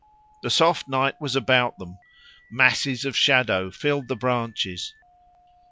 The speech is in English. The soft night was about them; masses of shadow filled the branches.